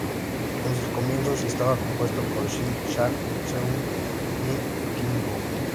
En sus comienzos estaba compuesto por Shin Ji, Cha Seung Min y Kim Goo.